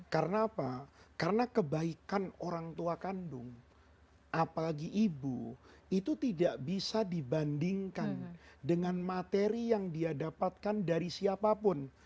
karena apa karena kebaikan orang tua kandung apalagi ibu itu tidak bisa dibandingkan dengan materi yang dia dapatkan dari siapapun